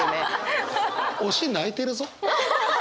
推し泣いてるぞ。